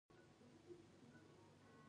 که کتاب نه وي چاپ شوی نو باید چاپ شي.